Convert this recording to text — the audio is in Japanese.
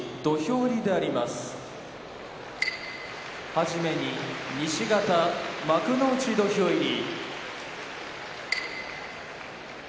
はじめに西方幕内土俵入り。